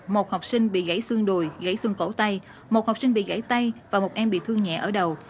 một học sinh bị gãy xương đùi gãy xương cổ tay một học sinh bị gãy tay và một em bị thương nhẹ ở đầu